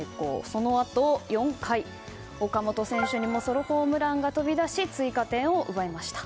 そのあと４回岡本選手にもソロホームランが飛び出し追加点を奪いました。